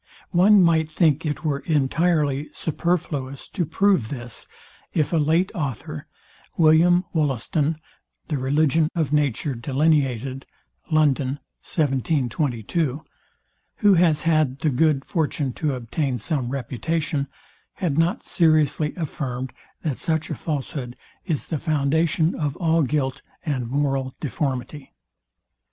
One might think it were entirely superfluous to prove this, if a late author [William Wollaston, THE RELIGION OF NATURE DELINEATED (London 1722)], who has had the good fortune to obtain some reputation, had not seriously affirmed, that such a falshood is the foundation of all guilt and moral deformity.